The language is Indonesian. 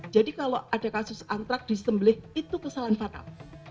jadi kalau ada kasus antraks disembelih itu kesalahan fatal